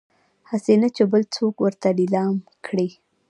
هسي نه چې يې بل څوک ورته ليلام کړي